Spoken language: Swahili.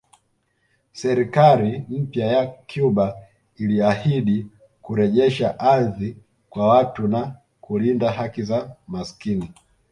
Serikali mpya ya Cuba iliahidi kurejesha ardhi kwa watu na kulinda haki za maskini